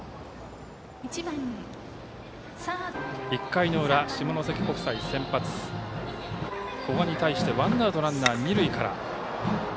１回の裏、下関国際先発、古賀に対してワンアウトランナー、二塁から。